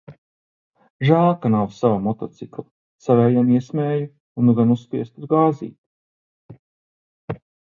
Žēl, ka nav sava motocikla, savējam iesmēju, nu gan uzspiestu uz gāzīti.